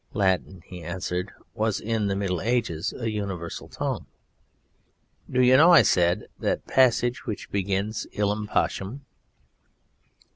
"Latin," he answered, "was in the Middle Ages a universal tongue." "Do you know," said I, "that passage which begins 'Illam Pacem